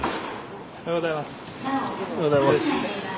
おはようございます。